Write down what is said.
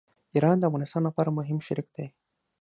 ایران د افغانستان لپاره مهم شریک دی.